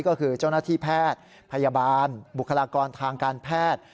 ก็คือเจ้าหน้าที่แพทย์พยาบาลบุคลากรทางการแพทย์